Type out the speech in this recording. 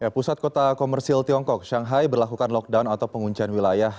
pusat kota komersil tiongkok shanghai berlakukan lockdown atau penguncian wilayah